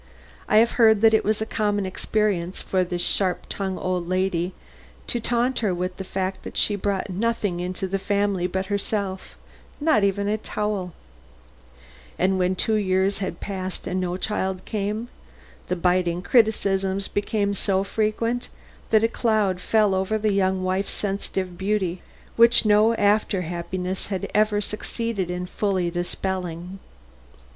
I have heard that it was a common experience for this sharp tongued old lady to taunt her with the fact that she brought nothing into the family but herself not even a towel; and when two years passed and no child came, the biting criticisms became so frequent that a cloud fell over the young wife's sensitive beauty, which no after happiness has ever succeeded in fully dispelling.